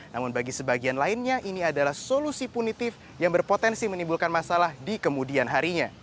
namun bagi sebagian lainnya ini adalah solusi punitif yang berpotensi menimbulkan masalah di kemudian harinya